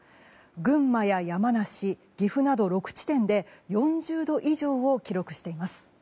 群馬や山梨、岐阜など６地点で４０度以上を記録しています。